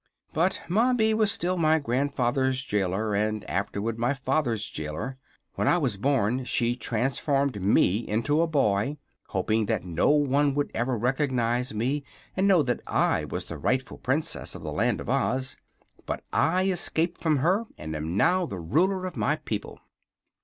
But Mombi was still my grandfather's jailor, and afterward my father's jailor. When I was born she transformed me into a boy, hoping that no one would ever recognize me and know that I was the rightful Princess of the Land of Oz. But I escaped from her and am now the Ruler of my people."